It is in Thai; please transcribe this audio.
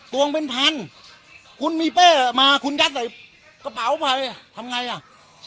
วงเป็นพันคุณมีเป้มาคุณยัดใส่กระเป๋าไปทำไงอ่ะ